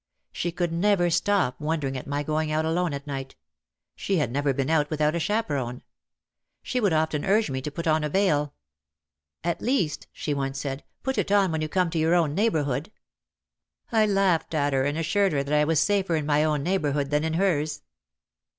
She could never stop wonder ing at my going out alone at night. She had never been out without a chaperon. She would often urge me to put on a veil. "At least," she once said, "put it on when you come to your own neighbourhood." I laughed at her and assured her that I was safer in my own neighbourhood than in hers.